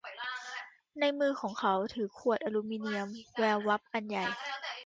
ในมือของเขาถือขวดอะลูมิเนียมแวววับอันใหญ่